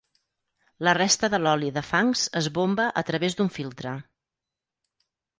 La resta de l'oli de fangs es bomba a través d'un filtre.